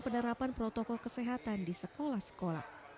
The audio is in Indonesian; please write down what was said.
penerapan protokol kesehatan di sekolah sekolah